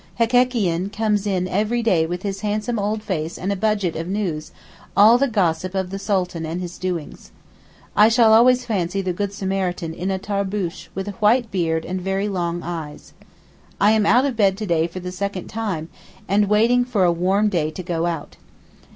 Hekekian comes in every day with his handsome old face and a budget of news, all the gossip of the Sultan and his doings. I shall always fancy the Good Samaritan in a tarboosh with a white beard and very long eyes. I am out of bed to day for the second time, and waiting for a warm day to go out.